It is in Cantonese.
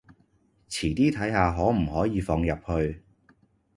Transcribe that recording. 遲啲睇下可唔可以放入去